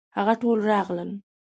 هغه ټول راغلل.